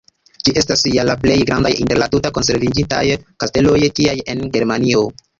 Ĝi estas ja la plej grandaj inter la tute konserviĝintaj kasteloj tiaj en Germanio.